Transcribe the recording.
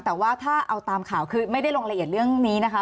แต่ว่าถ้าเอาตามข่าวคือไม่ได้ลงละเอียดเรื่องนี้นะคะ